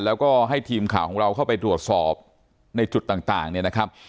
แล้วก็ให้ทีมข่าวของเราเข้าไปตรวจสอบในจุดต่างเนี่ยนะครับ